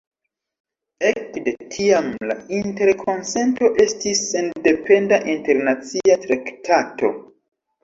Ekde tiam la Interkonsento estis sendependa internacia traktato.